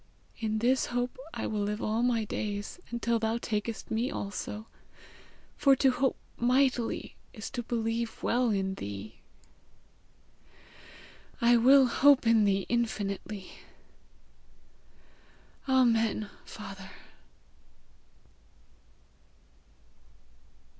In this hope I will live all my days, until thou takest me also; for to hope mightily is to believe well in thee. I will hope in thee infinitely. Amen, Father!"